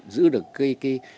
giữ được cái